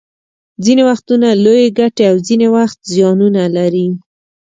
ځینې وختونه لویې ګټې او ځینې وخت زیانونه لري